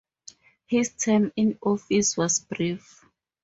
His term in office was brief.